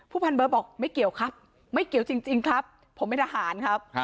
พันเบิร์ตบอกไม่เกี่ยวครับไม่เกี่ยวจริงครับผมเป็นทหารครับ